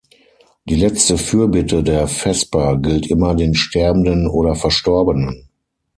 Die letzte Fürbitte der Vesper gilt immer den Sterbenden oder Verstorbenen.